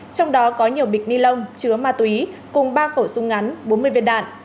trong đó có nhiều bịch ni lông chứa ma túy cùng ba khẩu súng ngắn bốn mươi viên đạn